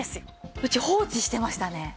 うち放置してましたね。